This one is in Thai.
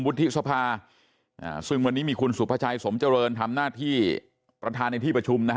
สภาซึ่งวันนี้มีคุณสุภาชัยสมเจริญทำหน้าที่ประธานในที่ประชุมนะฮะ